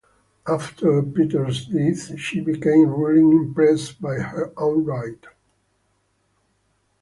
After Peter's death she became ruling Empress by her own right.